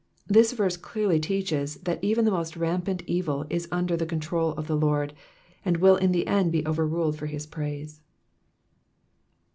The verse clearly teaches that even the most rampant evil is under the control of the Lord, and will in the end be overruled for his praise.